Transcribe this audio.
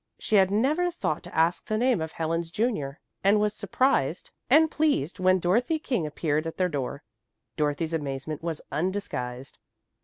She had never thought to ask the name of Helen's junior, and was surprised and pleased when Dorothy King appeared at their door. Dorothy's amazement was undisguised.